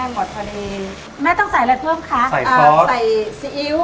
อ๋อแห้งหมดไปพอดีเลย